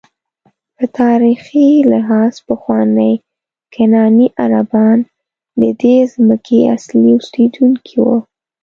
په تاریخي لحاظ پخواني کنعاني عربان ددې ځمکې اصلي اوسېدونکي وو.